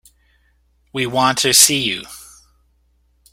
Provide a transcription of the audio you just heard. We want to see you.